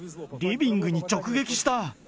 リビングに直撃した。